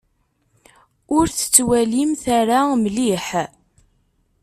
Ur tettwalimt ara mliḥ.